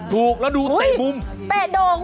ถูกแล้วดูเตะบุ้มอุ้ยแปะโด่ง